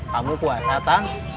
kamu puasa tang